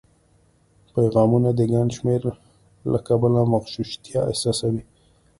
پیغامونو د ګڼ شمېر له کبله مغشوشتیا احساسوي